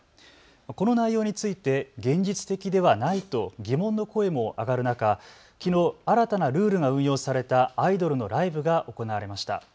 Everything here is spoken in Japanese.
この内容について現実的ではないと疑問の声も上がる中、きのう新たなルールが運用されたアイドルのライブが行われました。